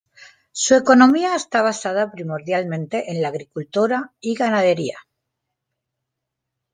Su economía está basada primordialmente en la agricultura y ganadería.